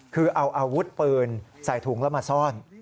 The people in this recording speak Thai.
คือเอาอาวุธปืนใส่ถุงแล้วมาซ่อน